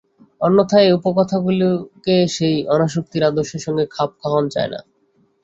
অন্যথা এই উপকথাগুলিকে সেই অনাসক্তির আদর্শের সঙ্গে খাপ খাওয়ান যায় না।